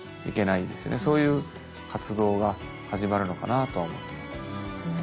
そういう活動が始まるのかなとは思ってます。